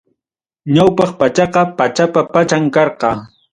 Ñawpaq pachaqa, pachapa pacham karqa.